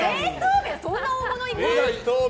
そんな大物いく？